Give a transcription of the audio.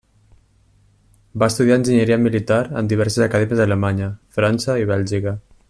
Va estudiar enginyeria militar en diverses acadèmies a Alemanya, França i Bèlgica.